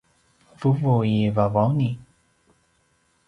vuvu i Vavauni